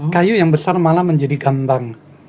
kayu yang besar malah menjadi gambang